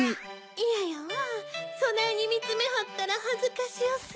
いややわそないにみつめはったらはずかしおす。